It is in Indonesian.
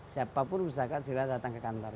siapapun bisa kak silahkan datang ke kantor